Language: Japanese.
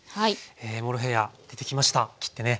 モロヘイヤ出てきました切ってね。